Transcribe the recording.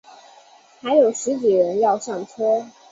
还有十几个人要上车